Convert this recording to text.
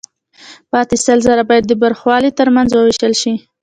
پاتې سل زره باید د برخوالو ترمنځ ووېشل شي